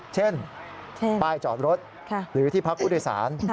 เช่นป้ายจอดรถหรือที่พักอุทธศาล